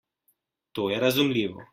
To je razumljivo.